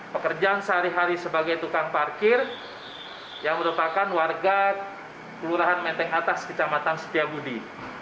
pekerjaan sehari hari sebagai tukang parkir yang merupakan warga kelurahan menteng atas kecamatan setiabudi